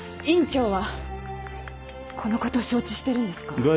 院長はこのことを承知してるんですか？